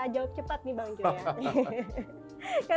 kita jawab cepat nih bang jo ya